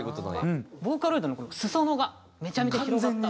ボーカロイドのこの裾野がめちゃめちゃ広がった。